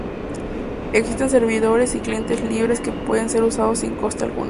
Existen servidores y clientes libres que pueden ser usados sin coste alguno.